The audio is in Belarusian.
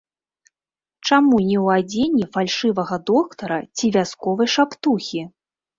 Чаму не ў адзенні фальшывага доктара ці вясковай шаптухі?